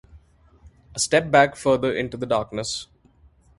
A step back further into the darkness.